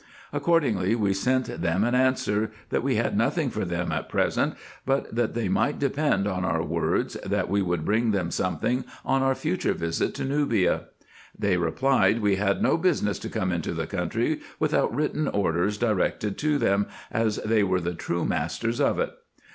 Accordingly we sent them an answer, that we had nothing for them at present, but that they might depend on our words, that we would bring them something on our future visit to Nubia. They replied, we had no business to come into the country without written orders directed to them, as they were the true masters of it.